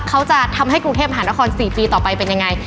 เขาจะทำให้กรุงเทพมหานคร๔ปีต่อไปเป็นยังไง